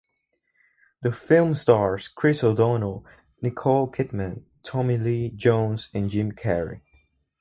The film stars Chris O'Donnell, Nicole Kidman, Tommy Lee Jones and Jim Carrey.